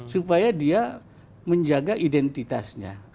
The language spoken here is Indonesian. supaya dia menjaga identitasnya